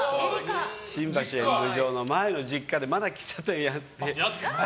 新橋演舞場の前の実家でまだ喫茶店やってて。